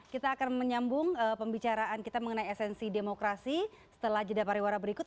kita akan menyambung pembicaraan kita mengenai esensi demokrasi setelah jeda pariwara berikut